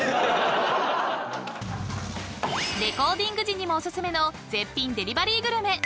［レコーディング時にもお薦めの絶品デリバリーグルメ］